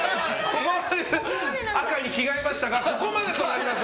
赤に着替えましたがここまでとなります。